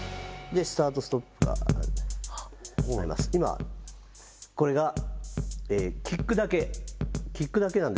スタートストップが今これがキックだけキックだけなんですけど